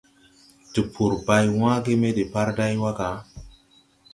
Tpur bay wããge me deparday wa ga ?